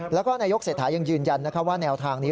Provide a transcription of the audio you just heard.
แล้วก็นายกเศรษฐายังยืนยันว่าแนวทางนี้